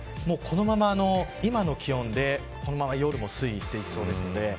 今の気温でこのまま夜まで推移していきそうです。